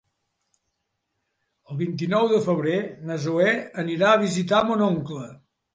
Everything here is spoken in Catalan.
El vint-i-nou de febrer na Zoè anirà a visitar mon oncle.